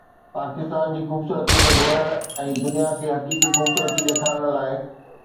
پاڪستان جي خوبصورتي کي ڳولڻ ۽ دنيا کي حقيقي خوبصورتي ڏيکارڻ لاء